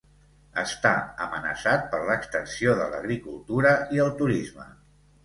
Està amenaçat per l'extensió de l'agricultura i el turisme.